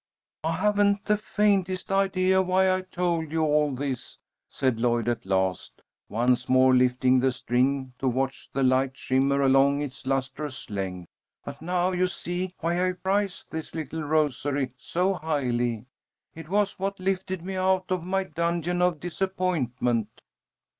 "I haven't the faintest idea why I told you all this," said Lloyd at last, once more lifting the string to watch the light shimmer along its lustrous length. "But now you see why I prize this little rosary so highly. It was what lifted me out of my dungeon of disappointment."